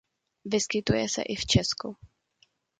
Vyskytuje se i v Česku.